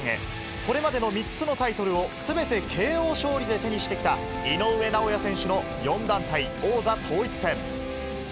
これまでの３つのタイトルをすべてＫＯ勝利で手にしてきた井上尚弥選手の４団体王座統一戦。